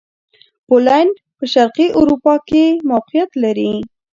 پولېنډ په شرقي اروپا کښې موقعیت لري.